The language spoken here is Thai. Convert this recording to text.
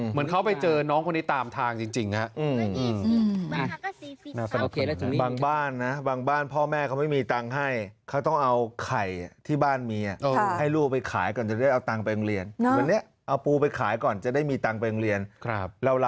เหมือนเขาไปเจอน้องคนนี้ตามทางจริงครับ